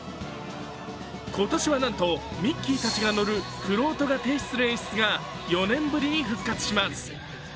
今年はなんとミッキーたちが乗るフロートが停止する演出が４年ぶりに復活します。